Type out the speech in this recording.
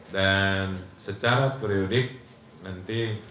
dan secara periodik nanti